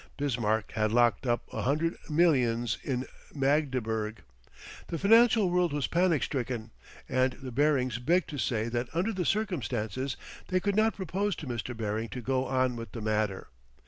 Bismarck had locked up a hundred millions in Magdeburg. The financial world was panic stricken, and the Barings begged to say that under the circumstances they could not propose to Mr. Baring to go on with the matter.